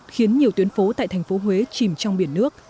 khiến nhiều tuyến phố tại tp huế chìm trong biển nước